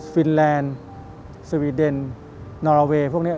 ฟินแลนด์สวีเดนนอรเวย์พวกนี้